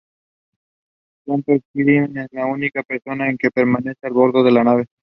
Pronto, Kirk es la única persona que permanece a bordo de la nave.